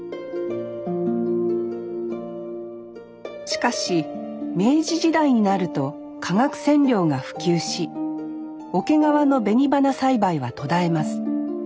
しかし明治時代になると化学染料が普及し桶川の紅花栽培は途絶えます。